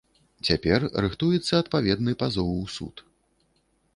Цяпер рыхтуецца адпаведны пазоў у суд.